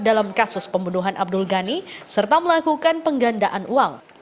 dalam kasus pembunuhan abdul ghani serta melakukan penggandaan uang